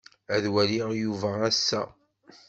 Ad waliɣ Yuba ass-a.